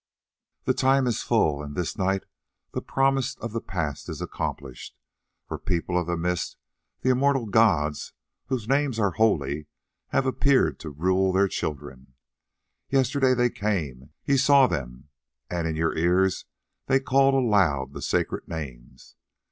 "The time is full, and this night the promise of the past is accomplished, for, People of the Mist, the immortal gods, whose names are holy, have appeared to rule their children. Yesterday they came, ye saw them, and in your ears they called aloud the sacred names.